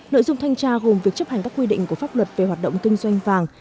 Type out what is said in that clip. nội dung thanh tra gồm việc chấp hành các quy định của pháp luật về hoạt động kinh doanh vàng